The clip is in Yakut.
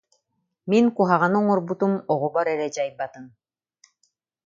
Мин куһаҕаны оҥорбутум оҕобор эрэ дьайбатын